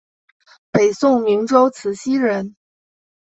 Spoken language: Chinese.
北宋明州慈溪人。